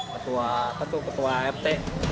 ketua apa tuh ketua ft